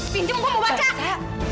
pinjem gua mau baca